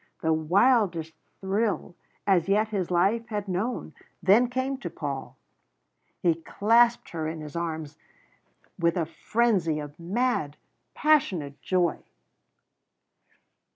The wildest thrill as yet his life had known then came to Paul; he clasped her in his arms with a frenzy of mad, passionate joy.